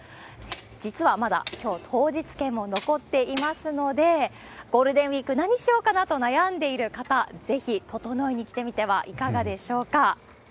実はまだ、きょう当日券も残っていますので、ゴールデンウィーク、何しようかなと悩んでいる方、ぜひととのいに来てみてはいかがでしょうか。